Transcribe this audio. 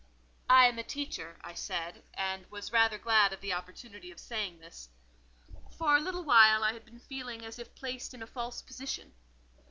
"I am a teacher," I said, and was rather glad of the opportunity of saying this. For a little while I had been feeling as if placed in a false position. Mrs.